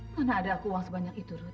mana ada aku uang sebanyak itu rut